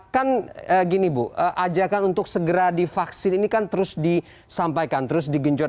kan gini bu ajakan untuk segera divaksin ini kan terus disampaikan terus digenjot